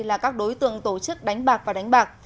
là các đối tượng tổ chức đánh bạc và đánh bạc